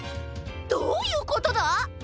どういうことだ！？